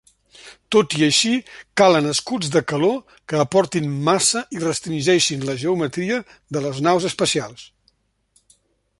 Tot i així, calen escuts de calor que aportin massa i restringeixen la geometria de les naus espacials.